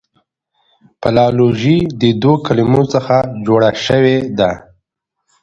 فلالوژي د دوو کلمو څخه جوړه سوې ده.